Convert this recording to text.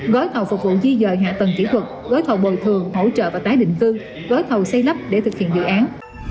gói thầu phục vụ di dời hạ tầng kỹ thuật gói thầu bồi thường hỗ trợ và tái định cư gói thầu xây lắp để thực hiện dự án